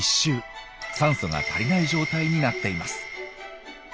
酸素が足りない状態になっています。